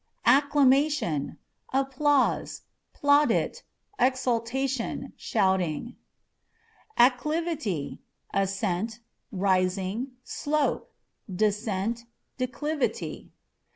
Acclamation â€" applause, plaudit, exultation, shouting. Acclivity â€" ascent, rising, slope ; descent, declivity.